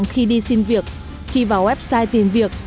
khi đi xin việc khi vào website tìm việc